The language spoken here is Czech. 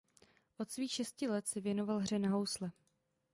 Od svých šesti let se věnoval hře na housle.